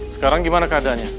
sekarang gimana keadaannya